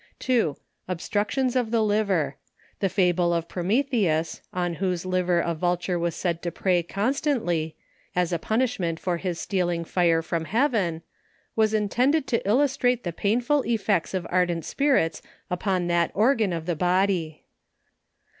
2. Obstructions of the liver. The fable of Prometheus, on whose liver a vulture was said to prey constantly, as a punishment for his stealing fire from heaven, was in tended to illustrate the painful effects of ardent spirits upon that organ of the body.